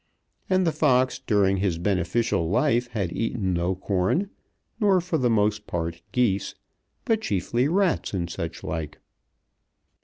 And the fox during his beneficial life had eaten no corn, nor for the most part geese, but chiefly rats and such like.